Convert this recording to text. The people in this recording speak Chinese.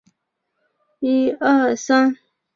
这支远征队是从瓦尔帕莱索出发的。